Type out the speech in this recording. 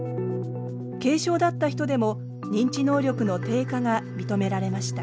軽症だった人でも認知能力の低下が認められました。